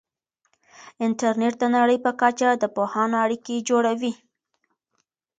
انټرنیټ د نړۍ په کچه د پوهانو اړیکې جوړوي.